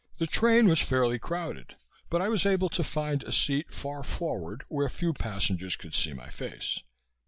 The train was fairly crowded but I was able to find a seat far forward where few passengers could see my face.